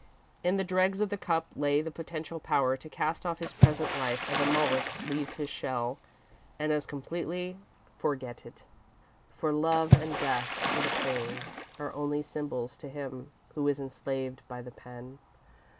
In the dregs of the Cup lay the potential power to cast off his present life as a mollusk leaves his shell, and as completely forget it. For Love, and Death, and Pain are only symbols to him who is enslaved by the pen.